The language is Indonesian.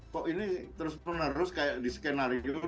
kok ini terus menerus kayak di skenario